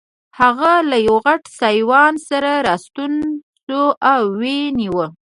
هغه له یوه غټ سایبان سره راستون شو او ویې نیو.